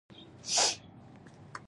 دوکاندار له تجربې کار اخلي.